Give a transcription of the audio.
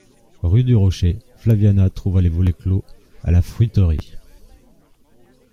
Rue du Rocher, Flaviana trouva les volets clos à la fruiterie.